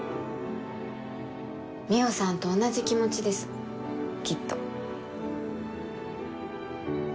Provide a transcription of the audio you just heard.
海音さんと同じ気持ちですきっと。